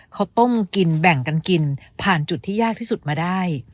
เขาต้มกินแบ่งกันกินผ่านจุดที่ยากที่สุดมาได้